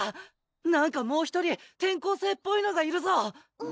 なんかもう１人転校生っぽいのがいるぞ！